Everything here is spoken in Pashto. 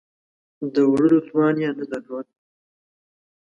د وړلو توان یې نه درلود.